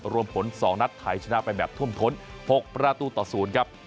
รวมผล๒นัดไทยชนะไปแบบท่วมท้น๖ประตูต่อ๐ครับ